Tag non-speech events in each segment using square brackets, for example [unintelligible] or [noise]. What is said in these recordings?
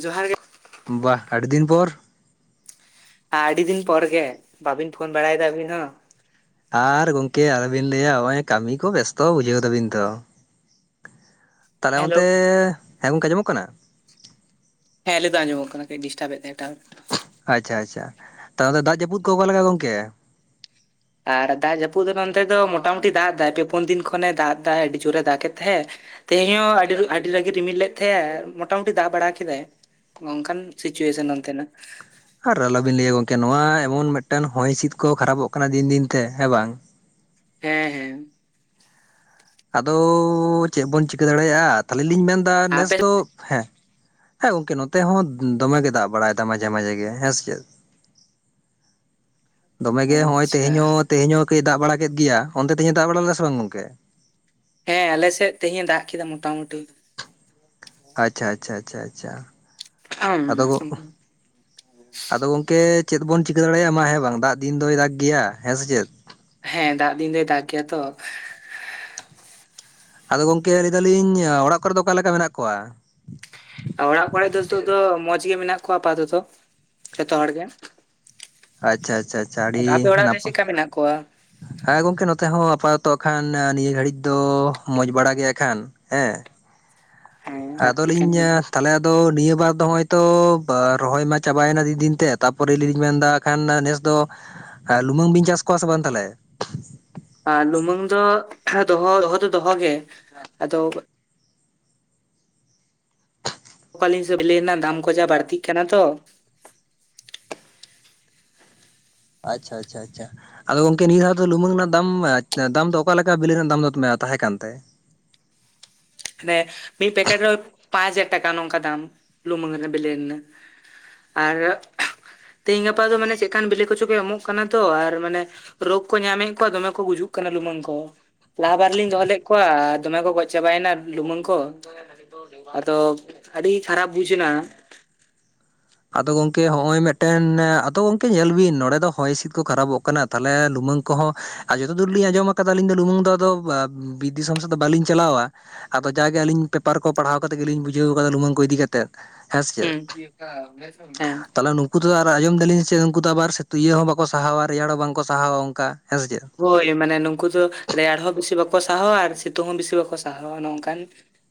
ᱡᱚᱦᱟᱨ ᱜᱮ ᱵᱟᱦᱽ ᱟᱵᱤᱫᱤᱱ ᱯᱚᱨ, ᱟᱹᱰᱤ ᱫᱤᱱ ᱯᱚᱨ ᱜᱮ ᱵᱟᱵᱤᱱ ᱯᱷᱳᱱ ᱵᱟᱲᱟᱭ ᱫᱟ ᱟᱵᱤᱱ ᱦᱚᱸ, ᱟᱨ ᱜᱚᱝᱠᱮ ᱟᱞᱚᱵᱤᱱ ᱞᱟᱹᱭᱟ ᱦᱚᱜᱚᱭ ᱠᱟᱹᱢᱤ ᱠᱚ ᱵᱮᱥᱛᱚ ᱵᱩᱡᱷᱟᱹᱣ ᱫᱟᱵᱤᱱ ᱛᱚ᱾ [inaudible] ᱛᱟᱦᱞᱮ ᱚᱱᱛᱮ ᱦᱮᱸ ᱜᱚᱝᱠᱮ ᱟᱸᱢᱚᱜ ᱠᱟᱱᱟ? ᱦᱮᱸ ᱞᱮᱫᱚ ᱟᱸᱡᱚᱢᱚᱜ ᱠᱟᱱᱟ ᱠᱟᱹᱡ ᱰᱤᱥᱴᱟᱵᱮᱫ ᱛᱟᱦᱮᱸᱜᱟ ᱴᱟᱣᱭᱟᱨ, ᱟᱪᱪᱷᱟ ᱟᱪᱪᱷᱟ ᱛᱟᱦᱞᱮ ᱫᱟᱜ ᱡᱟᱹᱯᱩᱫ ᱠᱚ ᱚᱠᱟ ᱞᱮᱠᱟ ᱜᱚᱝᱠᱮ? ᱟᱨ ᱫᱟᱜ ᱡᱟᱹᱯᱩᱫ ᱫᱚ ᱱᱚᱱᱚᱛᱮ ᱫᱚ ᱢᱚᱴᱟᱢᱩᱴᱤ ᱫᱟᱜ ᱫᱟᱭ ᱯᱮ ᱯᱩᱱ ᱫᱤᱱ ᱠᱷᱚᱱᱮ ᱫᱟᱜ ᱫᱟᱭ ᱟᱹᱰᱤ ᱡᱳᱨᱮ ᱫᱟᱜᱮᱫ ᱛᱟᱦᱮᱸᱫ ᱛᱮᱦᱤᱧ ᱦᱚᱸ ᱟᱹᱰᱤ ᱨᱟᱹᱜᱤ ᱨᱤᱢᱤᱞ ᱞᱮᱫ ᱛᱟᱦᱮᱸᱜ ᱮ ᱢᱚᱴᱟᱢᱩᱴᱤ ᱫᱟᱜ ᱵᱟᱲᱟ ᱠᱮᱫᱟᱭ᱾ ᱚᱝᱠᱟᱱ ᱥᱤᱪᱩᱭᱮᱥᱚᱱ ᱱᱚᱱᱛᱮ ᱱᱟᱜ᱾ ᱟᱨ ᱟᱞᱚᱵᱤᱱ ᱞᱟᱹᱭᱟ ᱜᱚᱝᱠᱮ ᱱᱚᱣᱟ ᱮᱢᱚᱱ ᱢᱮᱫᱴᱮᱱ ᱦᱚᱭ ᱦᱤᱥᱤᱫ ᱠᱚ ᱠᱷᱟᱨᱟᱯᱚᱜ ᱠᱟᱱᱟ ᱫᱤᱱ ᱫᱤᱱ ᱛᱮ ᱦᱮᱸ ᱵᱟᱝ, ᱦᱮᱸ ᱦᱮᱸ ᱟᱫᱳᱻ ᱪᱮᱜ ᱵᱚᱱ ᱪᱤᱠᱟᱹ ᱫᱟᱲᱮᱭ-ᱟ ᱛᱟᱦᱞᱮ ᱞᱤᱧ ᱢᱮᱱᱫᱟ ᱱᱮᱥ ᱟᱯᱮ ᱫᱚ ᱦᱮᱸ, ᱦᱮᱸ ᱜᱚᱝᱠᱮ ᱱᱚᱛᱮ ᱦᱚᱸ ᱫᱚᱢᱮ ᱜᱮᱭ ᱫᱟᱜ ᱵᱟᱲᱟᱭ ᱫᱟ ᱢᱟᱡᱷᱮ ᱢᱟᱡᱷᱮ ᱜᱮ ᱦᱮᱸᱥᱮ ᱪᱮᱫ, ᱫᱚᱢᱮᱜᱮ ᱜᱮ ᱦᱚᱸᱜ-ᱚᱭ ᱟᱪᱪᱷᱟ ᱛᱮᱦᱮᱧ ᱦᱚᱸ, ᱛᱮᱦᱮᱧ ᱦᱚᱸ ᱠᱟᱺᱡ-ᱮ ᱫᱟᱜ ᱵᱟᱲᱟ ᱠᱮᱫ ᱜᱮᱭᱟ᱾ ᱚᱱᱛᱮ ᱛᱮᱦᱮᱧᱮ ᱫᱟᱜ ᱵᱟᱲᱟ ᱞᱮᱫᱮᱴᱟ ᱥᱮ ᱵᱟᱝ ᱜᱚᱝᱠᱮ? ᱦᱮᱸ ᱟᱞᱮ ᱥᱮᱫ ᱛᱮᱦᱮᱧ ᱫᱟᱜ ᱠᱮᱫᱟ ᱢᱚᱴᱟᱢᱩᱴᱤ᱾ ᱟᱪᱪᱷᱟ ᱟᱪᱪᱷᱟ ᱟᱪᱪᱷᱟ ᱟᱪᱷᱟ ᱟᱫᱚ, ᱟᱫᱚ ᱜᱚᱝᱠᱮ ᱪᱮᱫ ᱵᱚᱱ ᱪᱤᱠᱟᱹ ᱫᱟᱲᱮᱭᱟᱜ-ᱟ ᱢᱟ ᱦᱮᱸ ᱵᱟᱝ, ᱫᱟᱜ ᱫᱤᱱ ᱫᱚᱭ ᱫᱟᱜᱽ ᱜᱮᱭᱟ ᱦᱮᱸ ᱥᱮ ᱪᱮᱫ? ᱦᱮᱸ ᱫᱟᱜ ᱫᱤᱱ ᱫᱚᱭ ᱫᱟᱜᱽ ᱜᱮᱭᱟ ᱛᱚ᱾ ᱟᱫᱚ ᱜᱚᱝᱠᱮ ᱞᱟᱹᱭᱫᱟᱞᱤᱧ ᱚᱲᱟᱜ ᱠᱚᱨᱮ ᱫᱚ ᱚᱠᱟᱞᱮ ᱞᱮᱠᱟ ᱢᱮᱱᱟᱜ ᱠᱚᱣᱟ? ᱚᱲᱟᱜ ᱠᱚᱨᱮ ᱫᱚ ᱱᱤᱛᱳᱜ ᱫᱚ ᱢᱚᱸᱡᱽ ᱜᱮ ᱢᱮᱱᱟᱜ ᱠᱚᱣᱟ ᱟᱯᱟᱛᱚᱛᱚ ᱡᱷᱚᱛᱚ ᱦᱚᱲ ᱜᱮ᱾ ᱟᱪᱪᱷᱟ ᱟᱪᱪᱷᱟ ᱟᱪᱪᱷᱟ ᱟᱹᱰᱤ ᱟᱫᱚ ᱟᱯᱮ ᱚᱲᱟᱜ ᱨᱮ ᱱᱟᱯᱟᱭ᱾ ᱪᱮᱫᱠᱟ ᱢᱮᱱᱟᱜ ᱠᱚᱣᱟ? ᱦᱮᱸ ᱜᱚᱝᱠᱮ ᱱᱚᱛᱮ ᱦᱚᱸ ᱟᱯᱟᱛᱚᱛᱚ ᱠᱷᱟᱱ ᱱᱤᱭᱟᱹ ᱜᱷᱟᱹᱲᱤᱡ ᱫᱚ ᱢᱚᱸᱡᱽ ᱵᱟᱲᱟ ᱜᱮᱭᱟ ᱦᱟᱸᱜ ᱠᱷᱟᱱ᱾ ᱦᱮᱸ᱾ ᱦᱮᱸ ᱟᱫᱚ ᱞᱟᱹᱠᱛᱤ ᱠᱟᱱ ᱞᱤᱧᱻ ᱜᱮᱭᱟ᱾ ᱛᱟᱦᱞᱮ ᱟᱫᱚ ᱱᱤᱭᱟᱹ ᱵᱟᱨ ᱫᱚ ᱦᱚᱸᱜ-ᱚᱭ ᱛᱚ ᱨᱚᱦᱚᱭ ᱢᱟ ᱪᱟᱵᱟᱭᱮᱱᱟ ᱫᱤᱱ ᱫᱤᱱ ᱛᱮ, ᱛᱟᱯᱚᱨᱮ ᱟᱹᱞᱤᱧ ᱞᱤᱧ ᱢᱮᱱᱫᱟ ᱠᱷᱟᱱ ᱱᱮᱥ ᱫᱚ ᱞᱩᱢᱟᱹᱝ ᱵᱤᱱ ᱪᱟᱥ ᱠᱚᱣᱟ ᱥᱮ ᱵᱟᱝ ᱛᱟᱦᱞᱮ? ᱟᱸᱻ ᱞᱩᱢᱟᱹᱝ ᱫᱚ ᱫᱚᱦᱚ ᱫᱚᱦᱚ ᱫᱚ ᱫᱚᱦᱚ ᱜᱮ ᱟᱫᱚ ᱚᱠᱟᱞᱤᱧ ᱥᱟᱹᱛ ᱞᱮᱱᱟ, ᱫᱟᱢ ᱠᱚ ᱡᱟ ᱵᱟᱹᱲᱛᱤᱜ ᱠᱟᱱᱟ ᱛᱚ᱾ ᱟᱪᱪᱷᱟ ᱟᱪᱪᱷᱟ ᱟᱪᱪᱷᱟ᱾ ᱟᱫᱚ ᱜᱚᱝᱠᱮ ᱱᱤᱣᱟᱹ ᱫᱷᱟᱣ ᱫᱚ ᱞᱩᱢᱟᱹᱝ ᱨᱮᱱᱟᱜ ᱫᱟᱢ, ᱫᱟᱢ ᱫᱚ ᱚᱠᱟᱞᱮᱠᱟ ᱵᱮᱞᱮ ᱨᱮᱱᱟᱜ ᱫᱟᱢ ᱫᱚ ᱛᱟᱦᱮᱸ ᱠᱟᱱ ᱛᱮ? ᱢᱟᱱᱮ ᱢᱤᱫ ᱯᱮᱠᱮᱴ ᱨᱮ ᱯᱟᱸᱪ ᱦᱟᱡᱟᱨ ᱴᱟᱠᱟ, ᱱᱚᱝᱠᱟ ᱫᱟᱢ ᱞᱩᱢᱟᱹᱝ ᱨᱮᱱᱟᱜ ᱵᱮᱞᱮ ᱨᱮᱱᱟᱜ᱾ ᱟᱨ ᱛᱤᱦᱤᱧ ᱜᱟᱯᱟ ᱫᱚ ᱢᱟᱱᱮ ᱪᱮᱫᱠᱟᱱ ᱵᱮᱞᱮ ᱠᱚᱪᱚ ᱠᱚ ᱮᱢᱚᱜ ᱠᱟᱱᱟ ᱛᱚ ᱟᱨ ᱢᱟᱱᱮ ᱨᱳᱜᱽ ᱠᱚ ᱧᱟᱢᱮᱜ ᱠᱚᱣᱟ ᱫᱚᱢᱮ ᱠᱚ ᱜᱩᱡᱩᱜ ᱠᱟᱱᱟ ᱞᱩᱢᱟᱹᱝ ᱠᱚ᱾ ᱞᱟᱦᱟ ᱵᱟᱨ ᱞᱤᱧ ᱫᱚᱦᱚ ᱞᱮᱫ ᱠᱚᱣᱟ ᱫᱚᱢᱮ ᱠᱚ ᱜᱚᱡ ᱪᱟᱵᱟᱭᱮᱱᱟ᱾ ᱞᱩᱢᱟᱹᱝ ᱠᱚ, ᱟᱫᱚ ᱟᱹᱰᱤ ᱠᱷᱟᱨᱟᱯ ᱵᱩᱡᱮᱱᱟ᱾ ᱟᱫᱚ ᱜᱚᱝᱠᱮ ᱦᱚᱸᱜ-ᱚᱭ ᱢᱮᱫᱴᱮᱱ, ᱟᱫᱚ ᱜᱚᱝᱠᱮ ᱧᱮᱞ ᱵᱤᱱ ᱱᱚᱸᱰᱮ ᱫᱚ ᱦᱚᱭ ᱦᱸᱥᱤᱫ ᱠᱚ ᱠᱷᱟᱨᱟᱵᱚᱜ ᱠᱟᱱᱟ᱾ ᱛᱟᱦᱞᱮ ᱞᱩᱢᱟᱹᱝ ᱠᱚᱦᱚᱸ, ᱟᱨ ᱡᱚᱛᱚ ᱫᱩᱨ ᱞᱤᱧ ᱟᱸᱡᱚᱢ ᱟᱠᱟᱫᱟ ᱟᱹᱞᱤᱧ ᱫᱚ ᱞᱩᱢᱟᱹᱝ ᱫᱚ ᱟᱫᱚ ᱵᱤᱨ ᱫᱤᱥᱚᱢ ᱥᱮᱫᱚ ᱵᱟᱹᱞᱤᱧ ᱪᱟᱞᱟᱣᱟ᱾ ᱟᱫᱚ ᱡᱟᱜᱮ ᱟᱹᱞᱤᱧ ᱯᱮᱯᱟᱨ ᱠᱚ ᱯᱟᱲᱦᱟᱣ ᱠᱟᱛᱮᱫ ᱜᱮᱞᱤᱧ ᱵᱩᱡᱷᱟᱹᱣ ᱠᱟᱫᱟ ᱞᱩᱢᱟᱹᱝ ᱠᱚ ᱤᱫᱤ ᱠᱟᱛᱮᱫ ᱦᱮᱸ ᱥᱮ ᱪᱮᱫ᱾ [unintelligible] ᱟᱫᱚ ᱱᱩᱠᱩ ᱫᱚ ᱟᱨ ᱟᱸᱡᱚᱢ ᱫᱟᱞᱤᱧ ᱥᱮ ᱪᱮᱫ, ᱩᱱᱠᱩ ᱫᱚ ᱟᱵᱟᱨ ᱛᱩᱭᱟᱹ ᱦᱚᱸ ᱵᱟᱝᱠᱚ ᱥᱟᱦᱟᱣᱟ, ᱨᱮᱭᱟᱲ ᱦᱚᱸ ᱵᱟᱝᱠᱚ ᱥᱟᱦᱟᱣᱟ ᱚᱝᱠᱟ, ᱦᱮᱸ ᱥᱮ ᱪᱮᱫ? ᱦᱳᱭ ᱢᱟᱱᱮ ᱱᱩᱠᱩ ᱫᱚ ᱨᱮᱭᱟᱲ ᱦᱚᱸ ᱵᱤᱥᱤ ᱵᱟᱠᱚ ᱥᱟᱦᱟᱣᱟ ᱟᱨ ᱥᱤᱛᱩᱝ ᱦᱚᱸ ᱵᱤᱥᱤ ᱵᱟᱠᱚ ᱥᱟᱦᱟᱣᱟ ᱱᱚᱝᱠᱟᱱ᱾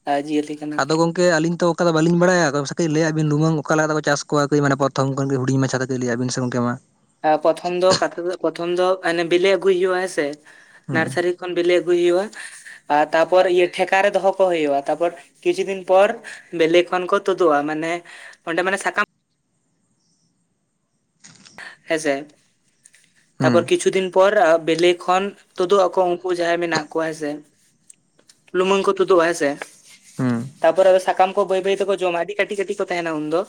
ᱟᱸᱻ ᱡᱤᱭᱟᱹᱞᱤ᱾ ᱠᱟᱱᱟ ᱠᱚ᱾ ᱟᱫᱚ ᱜᱚᱝ ᱠᱮ ᱟᱹᱞᱤᱧ ᱛᱚ ᱚᱝᱠᱟ ᱫᱚ ᱵᱟᱹᱞᱤᱧ ᱵᱟᱲᱟᱭᱟ, ᱠᱚᱢ ᱥᱮ ᱠᱟᱺᱡ ᱞᱟᱹᱭᱟᱜ ᱵᱤᱱ ᱞᱩᱢᱟᱹᱝ ᱚᱠᱟᱞᱮᱠᱟᱛᱮᱠ ᱪᱟᱥ ᱠᱚᱣᱟ ᱠᱟᱺᱡ ᱢᱟᱱᱮ ᱯᱨᱚᱛᱷᱚᱢ ᱠᱷᱚᱱ ᱜᱮ ᱦᱩᱰᱤᱧ ᱢᱟᱪᱷᱟ ᱛᱮ? ᱦᱮᱸ ᱞᱟᱹᱭᱟᱜ ᱵᱤᱱ ᱥᱮ ᱜᱚᱝᱠᱮ ᱢᱟ᱾ ᱮᱸ, ᱯᱨᱚᱛᱷᱚᱢ ᱫᱚ, ᱯᱨᱚᱛᱷᱚᱢ ᱫᱚ ᱚᱱᱮ ᱵᱤᱞᱤ ᱟᱹᱜᱩᱭ ᱦᱩᱭᱩᱜᱼᱴ-ᱟ ᱦᱮᱸ ᱥᱮ ᱦᱩᱸ ᱱᱟᱨᱥᱟᱨᱤ ᱠᱷᱚᱱ ᱵᱤᱞᱤ ᱟᱹᱜᱩᱭ ᱦᱩᱭᱩᱜ-ᱟ, ᱟᱨ ᱛᱟᱨᱯᱚᱨ ᱤᱭᱟᱹ ᱴᱷᱮᱠᱟ ᱨᱮ ᱫᱚᱦᱚ ᱠᱚ ᱦᱩᱭᱩᱜ-ᱟ᱾ ᱛᱟᱯᱚᱨ ᱠᱤᱪᱷᱩ ᱫᱤᱱ ᱯᱚᱨ ᱵᱮᱞᱮ ᱠᱷᱚᱱ ᱠᱚ ᱛᱩᱫᱩᱜ-ᱟ᱾ ᱢᱟᱱᱮ ᱚᱸᱰᱮ ᱢᱟᱱᱮ ᱥᱟᱠᱟᱢ ᱦᱮᱸ ᱥᱮ, ᱦᱩᱸ ᱛᱟᱯᱚᱨ ᱠᱤᱪᱷᱩ ᱫᱤᱱ ᱯᱚᱨ ᱵᱤᱞᱤ ᱠᱷᱚᱱ ᱛᱩᱫᱩᱜ-ᱟᱠᱚ ᱩᱝᱠᱩ ᱡᱟᱦᱟᱸᱭ ᱢᱮᱱᱟᱜ ᱠᱚᱣᱟ ᱦᱮᱸ ᱥᱮ, ᱞᱩᱢᱟᱹᱝ ᱠᱚ ᱛᱩᱫᱩᱜ-ᱟ, ᱦᱮᱸ ᱥᱮ᱾ ᱦᱩᱸ ᱛᱯᱚᱨᱮ ᱟᱫᱚ ᱥᱟᱠᱟᱢ ᱵᱟᱹᱭ ᱵᱟᱹᱭ ᱛᱮᱠᱚ ᱡᱚᱢᱟ, ᱟᱹᱰᱤ ᱠᱟᱹᱴᱤᱡ ᱠᱟᱹᱴᱤᱡ ᱠᱚ ᱛᱟᱸᱦᱮᱱᱟ ᱩᱱ ᱫᱚ᱾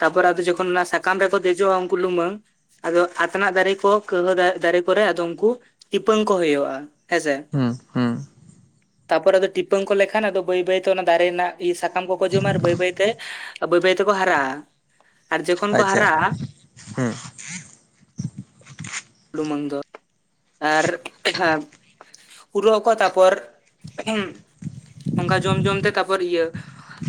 ᱛᱟᱯᱚᱨ ᱡᱚᱠᱷᱚᱱ ᱚᱱᱟ ᱥᱟᱠᱟᱢ ᱨᱮ ᱠᱚ ᱫᱮᱡᱚᱜ-ᱟ ᱩᱝᱠᱩ ᱞᱩᱢᱟᱹᱝ ᱟᱫᱚ ᱟᱛᱱᱟᱜ ᱫᱟᱨᱮ ᱠᱚ, ᱠᱟᱹᱣᱦᱟᱹ ᱫᱟᱨᱮ ᱠᱚᱨᱮ ᱟᱫᱚ ᱩᱱᱠᱩ ᱴᱤᱯᱟᱹᱝ ᱠᱚ ᱦᱩᱭᱩᱜ-ᱟ᱾ ᱦᱮᱸ ᱥᱮ᱾ ᱦᱩᱸ ᱦᱩᱸ ᱛᱟᱯᱚᱨ ᱟᱫᱚ ᱴᱤᱯᱟᱹᱝ ᱠᱚ ᱞᱮᱠᱷᱟᱱ ᱟᱫᱚ ᱵᱟᱹᱭ ᱵᱟᱹᱭᱛᱮ ᱚᱱᱟ ᱫᱟᱨᱮ ᱨᱮᱱᱟᱜ ᱤᱭᱟᱹ ᱥᱟᱠᱟᱢ ᱠᱚᱠᱚ ᱡᱚᱢᱟ ᱟᱨ ᱵᱟᱹᱭ ᱵᱟᱹᱭᱛᱮ, ᱵᱟᱹᱭ ᱵᱟᱹᱭ ᱛᱮᱠᱚ ᱦᱟᱨᱟᱜ-ᱟ᱾ ᱟᱪᱪᱷᱟ ᱦᱩᱸ᱾ ᱞᱩᱢᱟᱹᱝ ᱫᱚ ᱟᱨ ᱦᱮᱸ᱾ ᱯᱩᱨᱟᱹᱜ ᱟᱠᱚ ᱛᱟᱨᱯᱚᱨ ᱚᱝᱠᱟ ᱡᱚᱢ ᱡᱚᱢ ᱛᱮ ᱛᱟᱨᱯᱚᱨ ᱤᱭᱟᱹ